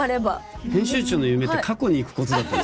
編集長の夢って過去に行くことだったんですか？